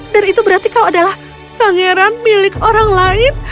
dan itu berarti kau adalah pangeran milik orang lain